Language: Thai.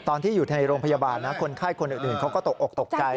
ตอนที่อยู่ในโรงพยาบาลนะคนไข้คนอื่นเขาก็ตกอกตกใจ